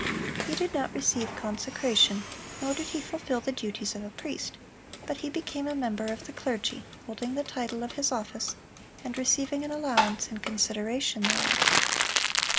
He did not receive consecration, nor did he fulfil the duties of a priest, but he became a member of the clergy, holding the title of his office, and receiving an allowance in consideration thereof.